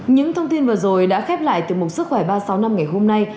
những thông tin vừa rồi đã khép lại tiểu mục sức khỏe ba trăm sáu mươi năm ngày hôm nay